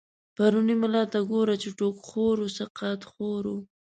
پرونی ملا ته گوره، چی ټوک خورو سقاط خورو